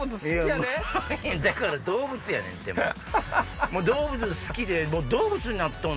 だから動物やねんてもう！